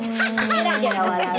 ゲラゲラ笑う。